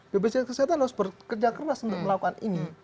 bpjs kesehatan harus bekerja keras untuk melakukan ini